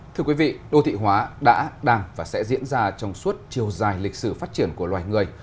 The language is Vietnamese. thưa quý vị đô thị hóa đã đang và sẽ diễn ra trong suốt chiều dài lịch sử phát triển của loài người